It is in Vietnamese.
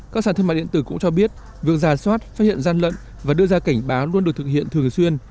các sản thương mại điện tử cũng cho biết việc giả soát phát hiện gian lận và đưa ra cảnh báo luôn được thực hiện thường xuyên